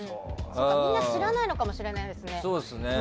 みんな知らないのかもしれないですね。